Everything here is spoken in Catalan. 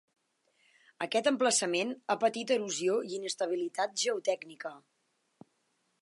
Aquest emplaçament ha patit erosió i inestabilitat geotècnica.